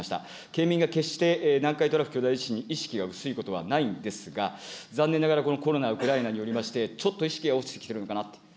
県民が決して、南海トラフ巨大地震に意識が薄いことはないんですが、残念ながらこのコロナ、ウクライナによりまして、ちょっと意識が落ちてきているのかなと。